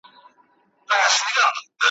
لکه خدای وي چاته نوی ژوند ورکړی .